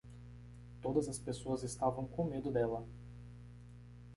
Todas as pessoas estavam com medo dela.